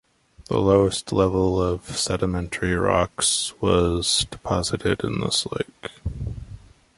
The lowest level of sedimentary rocks was deposited in this lake.